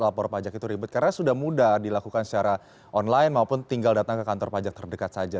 lapor pajak itu ribet karena sudah mudah dilakukan secara online maupun tinggal datang ke kantor pajak terdekat saja